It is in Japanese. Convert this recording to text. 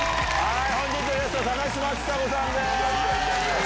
本日のゲスト高嶋ちさ子さんです。